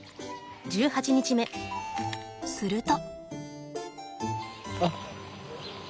すると。